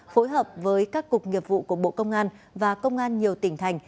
phối hợp với các cục nghiệp vụ của bộ công an và công an nhiều tỉnh thành